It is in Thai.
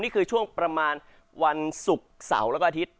นี่คือช่วงประมาณวันศุกร์เสาร์แล้วก็อาทิตย์